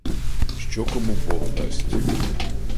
Що кому бог дасть!